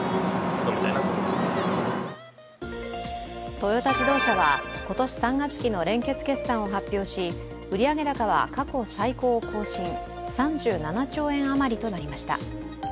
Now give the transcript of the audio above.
トヨタ自動車は、今年３月期の連結決算を発表し、売上高は過去最高を更新、３７兆円余りとなりました。